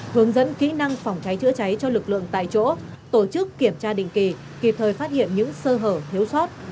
hướng dẫn kỹ năng phòng cháy chữa cháy cho lực lượng tại chỗ tổ chức kiểm tra định kỳ kịp thời phát hiện những sơ hở thiếu sót